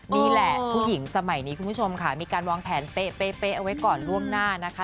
นี่แหละผู้หญิงสมัยนี้คุณผู้ชมค่ะมีการวางแผนเป๊ะเอาไว้ก่อนล่วงหน้านะคะ